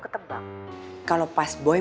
ketebak kalau pas boy